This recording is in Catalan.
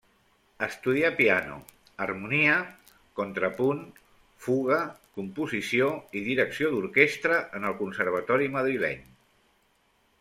Estudià piano, harmonia, harmonia, contrapunt, fuga, composició i direcció d'orquestra en el Conservatori madrileny.